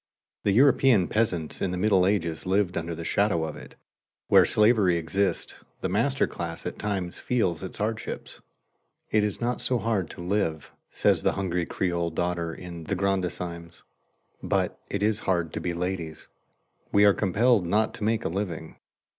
The European peasants in the Middle Ages lived under the shadow of it. Where slavery exists the master class at times feels its hardships. "It is not so hard to live," says the hungry Creole daughter in "The Grandissimes," "but it is hard to be ladies.... We are compelled not to make a living.